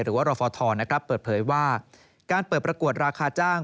หรือว่ารฟทเปิดเผยว่าการเปิดประกวดราคาจ้าง